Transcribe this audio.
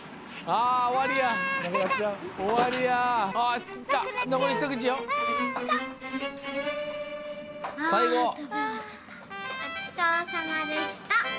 ごちそうさまでした！